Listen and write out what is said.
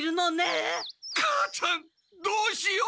母ちゃんどうしよう！